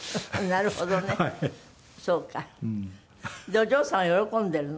お嬢さんは喜んでいるの？